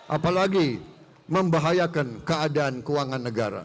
apalagi membahayakan keadaan keuangan negara